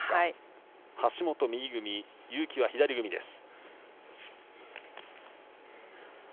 橋本、右組み結城は左組みです。